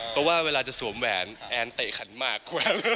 เพราะว่าเวลาจะสวมแหวนแอนเตะขันหมาก